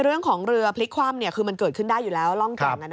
เรื่องของเรือพลิกคว่ำคือมันเกิดขึ้นได้อยู่แล้วร่องแก่ง